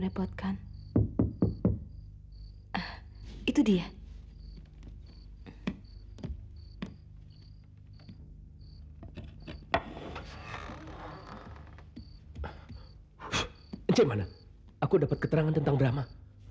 saya tidak dapat hidup tanpa brahma